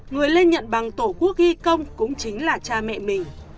người lên nhận bằng tổ quốc ghi công cũng chính là cha mẹ mình